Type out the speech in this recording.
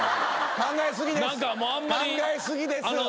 考え過ぎです。